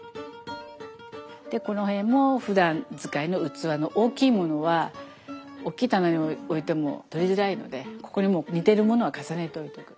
でこの辺もふだん使いの器の大きいものは大きい棚に置いても取りづらいのでここに似てるものは重ねて置いとく。